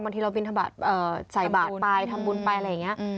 บางทีเราบินทบาทใส่บาทไปทำบุญไปอะไรอย่างนี้